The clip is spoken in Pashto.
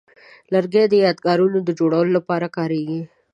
لرګی د یادګارونو د جوړولو لپاره کاریږي.